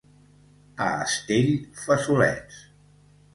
A Astell, fesolets.